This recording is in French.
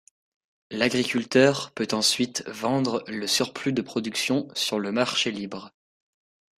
L’agriculteur peut ensuite vendre le surplus de production sur le marché libre.